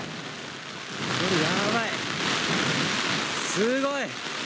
すごい。